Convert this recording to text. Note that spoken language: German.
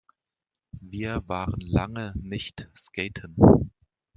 Wir waren lange nicht skaten.